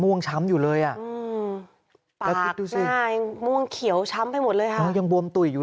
ม่วงช้ำอยู่เลยอ่ะม่วงเขียวช้ำไปหมดเลยครับยังบวมตุ๋ยอยู่